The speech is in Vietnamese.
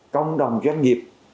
công đồng doanh nghiệp